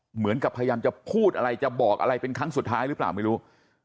เหมือนกับพยายามจะพูดอะไรจะบอกอะไรเป็นครั้งสุดท้ายหรือเปล่าไม่รู้